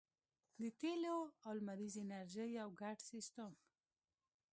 د تیلو او لمریزې انرژۍ یو ګډ سیستم